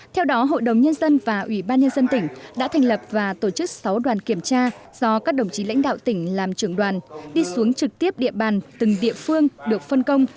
theo đó hội đồng nhân dân và ủy ban nhân dân tỉnh đã thành lập và tổ chức sáu đoàn kiểm tra do các đồng chí lãnh đạo tỉnh làm trưởng đoàn đi xuống trực tiếp địa bàn từng địa phương được phân công